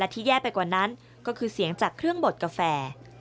ที่แย่ไปกว่านั้นก็คือเสียงจากเครื่องบดกาแฟ